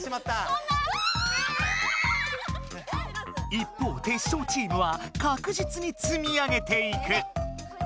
一方テッショウチームはかくじつにつみ上げていく。